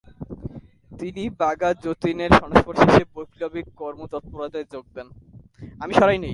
তিনি বাঘা যতীনের সংস্পর্শে এসে বৈপ্লবিক কর্মতৎপরতায় যোগ দেন।